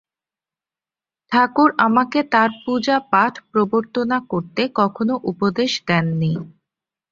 ঠাকুর আমাকে তাঁর পূজা-পাঠ প্রবর্তনা করতে কখনও উপদেশ দেননি।